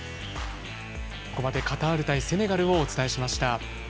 ここまでカタール対セネガルをお伝えしました。